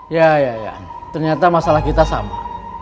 ya ya ternyata masalah kita sama